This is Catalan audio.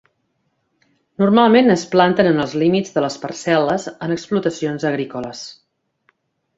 Normalment es planten en els límits de les parcel·les en explotacions agrícoles.